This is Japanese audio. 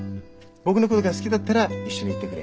僕のことが好きだったら一緒に行ってくれ。